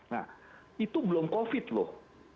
nah itu belum covid loh